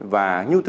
và nhu cầu vận tải